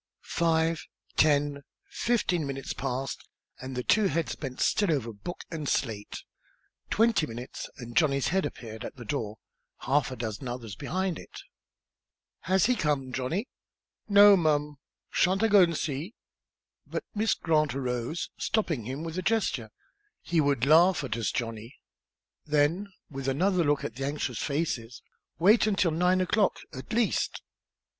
Five ten fifteen minutes passed and the two heads bent still over book and slate. Twenty minutes, and Johnny's head appeared at the door, half a dozen others behind it. "Has he come, Johnny?" "No'm; sha'n't I go an' see " But Miss Grant arose, stopping him with a gesture. "He would laugh at us, Johnny." Then, with another look at the anxious faces, "wait until nine o'clock, at least."